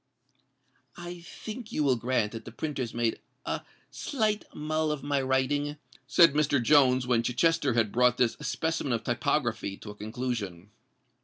"I think you will grant that the printers made a slight mull of my writing?" said Mr. Jones, when Chichester had brought this specimen of typography to a conclusion.